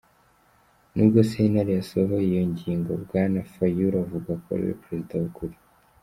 Nubwo sentare yasohoye iyo ngingo, Bwana Fayulu avuga ko ariwe perezida "w'ukuri".